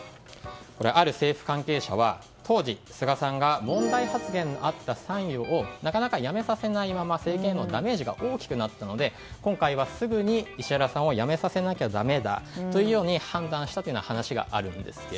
ある政府関係者は当時、菅さんが問題発言のあった参与をなかなか辞めさせないまま政権のダメージが大きくなったのですぐに石原さんを辞めさせなきゃだめだと判断したという話があるんです。